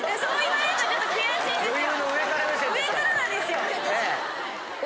上からなんですよ。